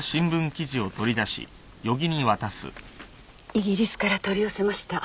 イギリスから取り寄せました。